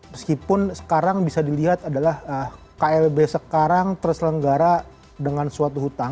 meskipun sekarang bisa dilihat adalah klb sekarang terselenggara dengan suatu hutang